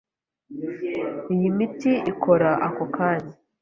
Iyi miti ikora ako kanya.